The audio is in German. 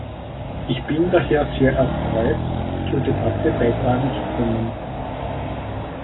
Ich bin daher sehr erfreut, zur Debatte beizutragen zu können.